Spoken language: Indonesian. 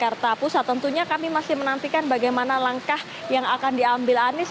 dan juga untuk pembahasan kampung susun ini kita akan menantikan bagaimana langkah yang akan diambil anies